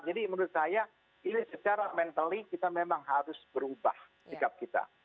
jadi menurut saya ini secara mental kita memang harus berubah sikap kita